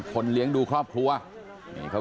ครอบครัวญาติพี่น้องเขาก็โกรธแค้นมาทำแผนนะฮะ